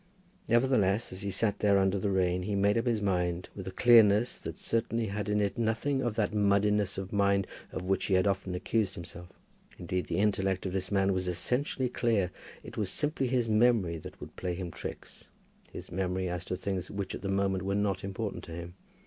Nevertheless, as he sat there under the rain, he made up his mind with a clearness that certainly had in it nothing of that muddiness of mind of which he had often accused himself. Indeed, the intellect of this man was essentially clear. It was simply his memory that would play him tricks, his memory as to things which at the moment were not important to him.